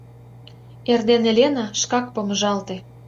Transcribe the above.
Эрдене Лена шкак помыжалте.